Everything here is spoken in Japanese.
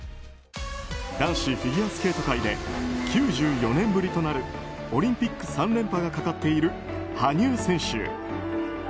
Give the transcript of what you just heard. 男子フィギュアスケート界で９４年ぶりとなるオリンピック３連覇がかかっている羽生選手。